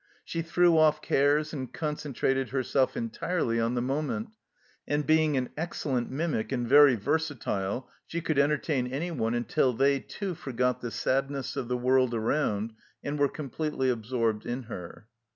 She threw off cares and concentrated herself entirely on the moment, and being an excellent mimic and very versatile, she could entertain anyone until they too forgot the sadness of the world around and were completely absorbed in her.